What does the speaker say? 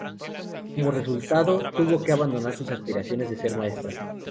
Como resultado, tuvo que abandonar sus aspiraciones de ser maestra.